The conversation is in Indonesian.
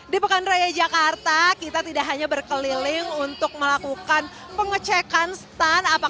di pekan raya jakarta kita tidak hanya berkeliling untuk melakukan pengecekan stand